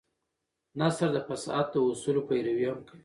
نثر د فصاحت د اصولو پيروي هم کوي.